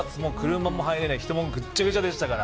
車も入れない人もぐちゃぐちゃでしたから。